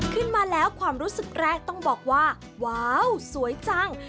ขึ้นมาแล้วความรู้สึกแรกต้องบอกว่าว้าวสวยจัง